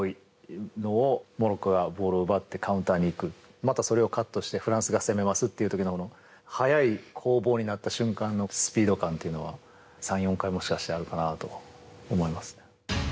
またそれをカットしてフランスが攻めますという時の速い攻防になった瞬間のスピード感というのは３４回、もしかしたらあるのかなと思います。